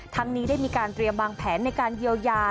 นี้ได้มีการเตรียมวางแผนในการเยียวยา